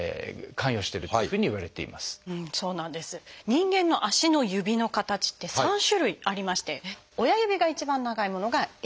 人間の足の指の形って３種類ありまして親指が一番長いものが「エジプト型」。